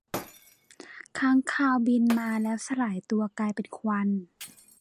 ค้างคาวบินมาแล้วสลายตัวกลายเป็นควัน